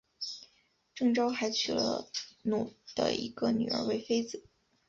郑昭还娶了努的一个女儿为妃子。